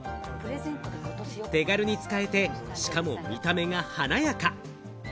手軽に使えて、しかも見た目が華やか。